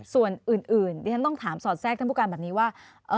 ส่วนอื่นดิฉันต้องถามสอดแทรกท่านผู้การแบบนี้ว่า